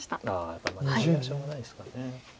やっぱりマゲはしょうがないですか。